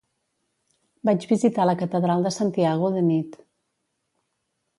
Vaig visitar la catedral de Santiago de nit.